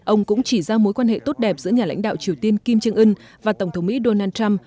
ông cũng chỉ ra mối quan hệ tốt đẹp giữa nhà lãnh đạo triều tiên kim jong un và tổng thống mỹ donald trump